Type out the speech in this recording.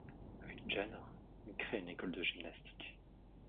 Avec Jahn, il crée une école de gymnastique.